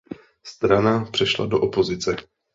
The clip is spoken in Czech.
Strana přešla do opozice.